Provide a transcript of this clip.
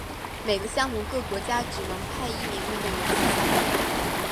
每个项目各国家只能派一名运动员参赛。